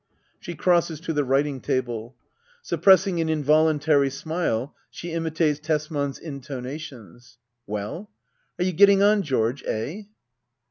[She crosses to the Tvriting'tahle, Suppressing an involuntary smile, she imitates Tesman's intonations.'] Well ? Are you getting on, George } Eh